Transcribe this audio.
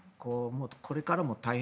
これからも大変。